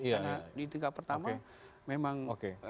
karena di tingkat pertama memang